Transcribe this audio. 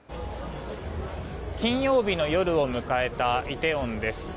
金曜日の夜を迎えたイテウォンです。